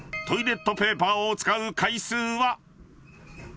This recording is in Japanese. ［トイレットペーパーを使う回数は］